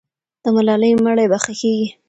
د ملالۍ مړی به ښخېږي.